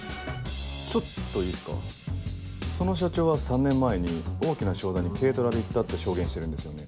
ちょっといいっすかその社長は３年前に大きな商談に軽トラで行ったって証言してるんですよね。